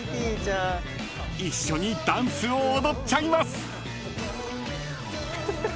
［一緒にダンスを踊っちゃいます！］